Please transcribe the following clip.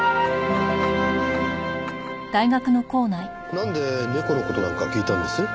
なんで猫の事なんか聞いたんです？